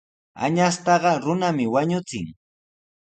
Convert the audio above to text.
Añastaqa runami wañuchin.